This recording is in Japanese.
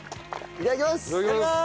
いただきます！